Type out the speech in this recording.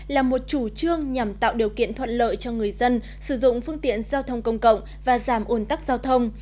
là một chủ trương nhằm tạo điều kiện thuận lợi cho người dân sử dụng phương tiện giao thông công cộng và giảm ồn tắc giao thông